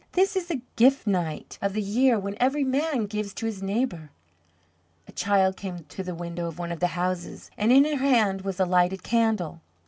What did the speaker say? This is the Gift Night of the year, when every man gives to his neighbour." A child came to the window of one of the houses, and in her hand was a lighted candle.